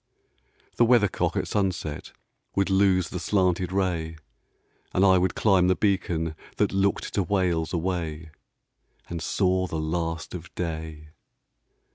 The weathercock at sunset Would lose the slanted ray, And I would climb the beacon That looked to Wales away And saw the last of day.